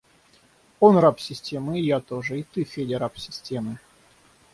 Он раб системы и я тоже. И ты, Федя, раб системы.